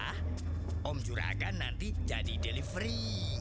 oh om juragan nanti jadi delivery